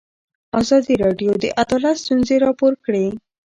ازادي راډیو د عدالت ستونزې راپور کړي.